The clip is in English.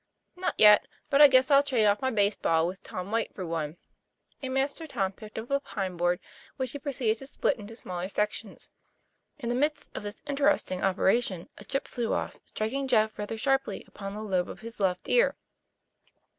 'Not yet, but I guess I'll trade off my base ball with Tom White for one." And master Tom picked up a pine board which he proceeded to split into smaller sections. In the midst of this interesting operation, a chip flew up, striking Jeff rather sharply upon the lobe of his left ear.